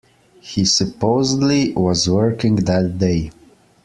He supposedly was working that day.